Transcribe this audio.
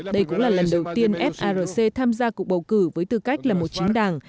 đây cũng là lần đầu tiên frc tham gia cuộc bầu cử với tư cách là một chính đảng